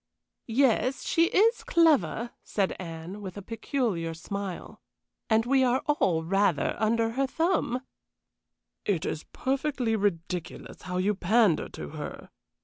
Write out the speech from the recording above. "Yes, she is clever," said Anne, with a peculiar smile, "and we are all rather under her thumb." "It is perfectly ridiculous how you pander to her!"